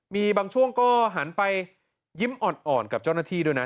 มีบางช่วงก็หันไปยิ้มอ่อนกับเจ้าหน้าที่ด้วยนะ